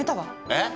えっ？